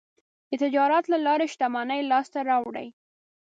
د تجارت له لارې شتمني لاسته راوړي.